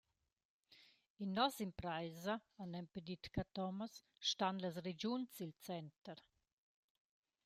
«In noss’intrapraisa», ha nempe dit Cathomas, «stan las regiuns i’l center.»